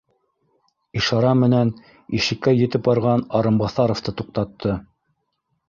Ишара менән ишеккә етеп барған Арынбаҫаровты туҡтатты: